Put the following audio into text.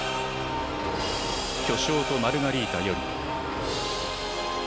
「巨匠とマルガリータ」より。